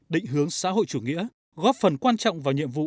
định hướng xã hội chủ nghĩa góp phần quan trọng vào nhiệm vụ